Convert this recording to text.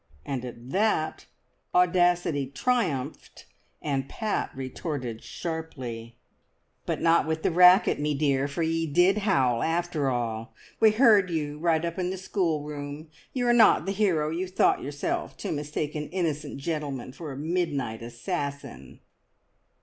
and at that, audacity triumphed, and Pat retorted sharply "But not with the racket, me dear, for ye did howl after all. We heard you right up in the schoolroom. You're not the hero you thought yourself, to mistake an innocent gentleman for a midnight assassin."